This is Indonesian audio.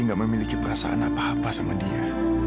tidak memiliki perasaan apa apa sama dia